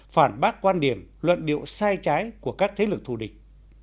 phản bác quan điểm luận điệu sai trái của các thế lực thù địch